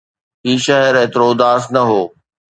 هي شهر ايترو اداس نه هو